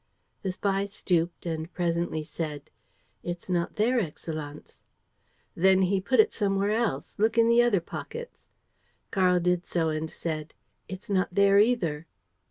The spy stooped and, presently, said: "It's not there, Excellenz." "Then he put it somewhere else. Look in the other pockets." Karl did so and said: "It's not there either."